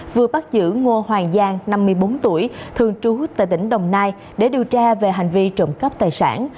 vừa bắt giữ ngô hoàng giang năm mươi bốn tuổi thường trú tại tỉnh đồng nai để điều tra về hành vi trộm cắp tài sản